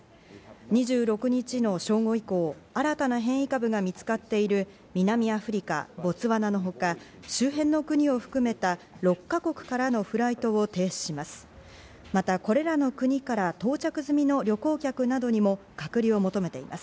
２６日の正午以降、新たな変異株が見つかっている南アフリカ、ボツワナのほか、周辺の国を含めた６か国からのフライトを停止します。